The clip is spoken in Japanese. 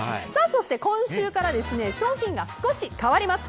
そして、今週から商品が少し変わります。